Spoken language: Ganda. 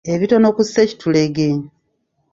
Ebitono ku ssekitulege.